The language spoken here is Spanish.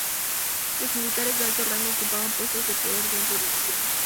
Los militares de alto rango ocupaban puestos de poder dentro del gobierno.